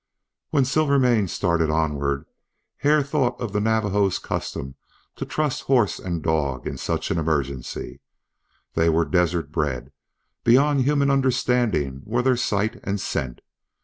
When Silvermane started onward Hare thought of the Navajos' custom to trust horse and dog in such an emergency. They were desert bred; beyond human understanding were their sight and scent.